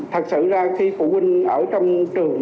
thật sự ra khi phụ huynh ở trong trường